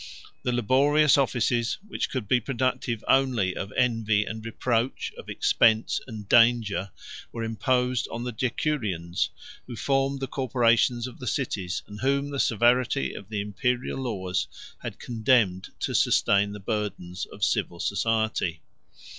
The laborious offices, which could be productive only of envy and reproach, of expense and danger, were imposed on the Decurions, who formed the corporations of the cities, and whom the severity of the Imperial laws had condemned to sustain the burdens of civil society.